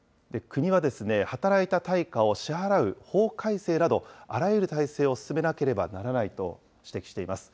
国は働いた対価を支払う法改正など、あらゆる体制を進めなければならないと指摘しています。